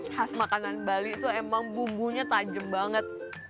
khas makanan bali itu emang bumbunya tajam banget